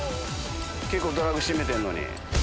結構ドラグ締めてるのに。